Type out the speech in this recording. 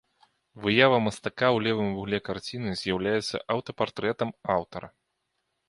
Выява мастака ў левым вугле карціны з'яўляецца аўтапартрэтам аўтара.